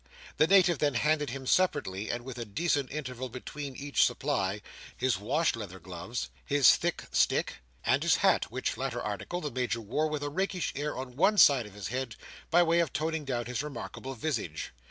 The Native then handed him separately, and with a decent interval between each supply, his washleather gloves, his thick stick, and his hat; which latter article the Major wore with a rakish air on one side of his head, by way of toning down his remarkable visage.